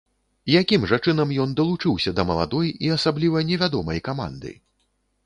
Якім жа чынам ён далучыўся да маладой і асабліва невядомай каманды?